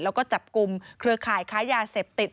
แล้วก็จับกลุ่มเครือข่ายค้ายาเสพติด